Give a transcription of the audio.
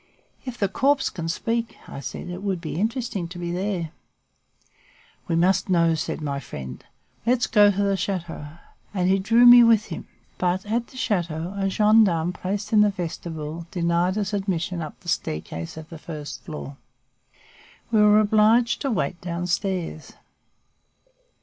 "If the corpse can speak," I said, "it would be interesting to be there." "We must know," said my friend. "Let's go to the chateau." And he drew me with him. But, at the chateau, a gendarme placed in the vestibule denied us admission up the staircase of the first floor. We were obliged to wait down stairs.